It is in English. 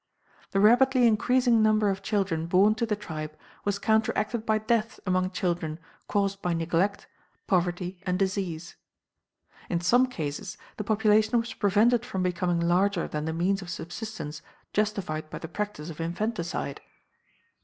The rapidly increasing number of children born to the tribe was counteracted by deaths among children caused by neglect, poverty, and disease. In some cases the population was prevented from becoming larger than the means of subsistence justified by the practice of infanticide.